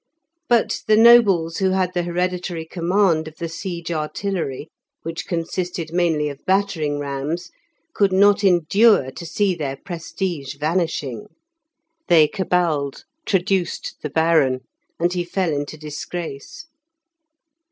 But the nobles who had the hereditary command of the siege artillery, which consisted mainly of battering rams, could not endure to see their prestige vanishing. They caballed, traduced the Baron, and he fell into disgrace.